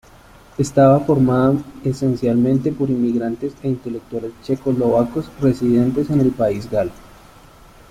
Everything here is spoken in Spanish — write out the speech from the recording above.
Estaba formada esencialmente por inmigrantes e intelectuales checoslovacos residentes en el país galo.